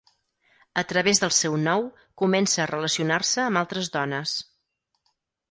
A través del seu nou comença a relacionar-se amb altres dones.